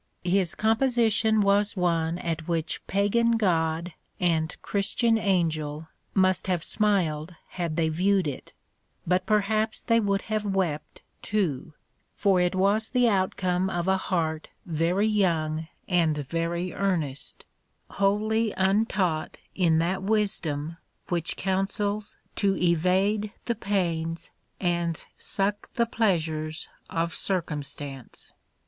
His composition was one at which pagan god and Christian angel must have smiled had they viewed it; but perhaps they would have wept too, for it was the outcome of a heart very young and very earnest, wholly untaught in that wisdom which counsels to evade the pains and suck the pleasures of circumstance.